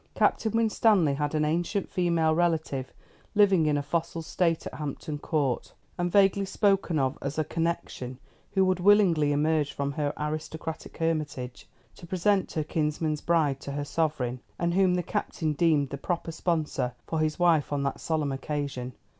Captain Winstanley had an ancient female relative, living in a fossil state at Hampton Court, and vaguely spoken of as "a connection," who would willingly emerge from her aristocratic hermitage to present her kinsman's bride to her sovereign, and whom the Captain deemed the proper sponsor for his wife on that solemn occasion.